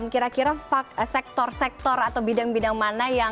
kira kira sektor sektor atau bidang bidang mana yang